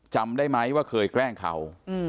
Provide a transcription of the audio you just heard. จำได้ไหมว่าเคยแกล้งเขา